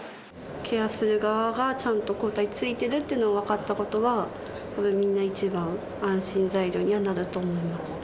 ケアする側がちゃんと抗体ついてるっていうの分かったことは、みんな一番安心材料にはなると思います。